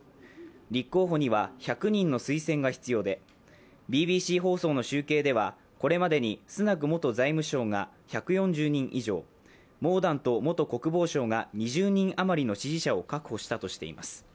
立候補には、１００人の推薦が必要でＢＢＣ放送の集計ではこれまでにスナク元財務相が１４０人以上、モーダント元国防相が２０人余りの支持者を確保したとしています。